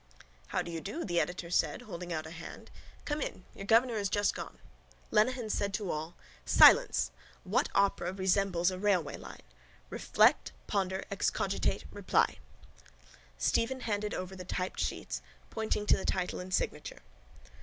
—How do you do? the editor said, holding out a hand. Come in. Your governor is just gone. ??? Lenehan said to all: —Silence! What opera resembles a railwayline? Reflect, ponder, excogitate, reply. Stephen handed over the typed sheets, pointing to the title and signature.